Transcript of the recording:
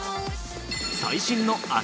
最新の秋